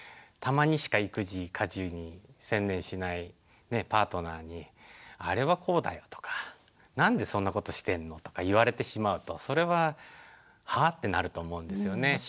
たまにしか育児家事に専念しないパートナーに「あれはこうだよ」とか「何でそんなことしてんの？」とか言われてしまうとそれは「は？」ってなると思うんですよね。